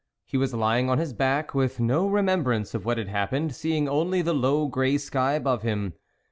He was lying on his back, with no remembrance of what had hap pened, seeing only the low grey sky above him.